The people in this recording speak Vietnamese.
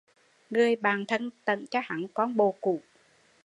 Người bạn thân tẩn cho hắn con bồ cũ